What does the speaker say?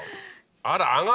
あら！